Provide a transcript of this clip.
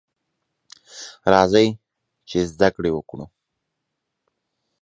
راځئ ! چې زده کړې وکړو.